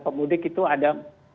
pemudik itu ada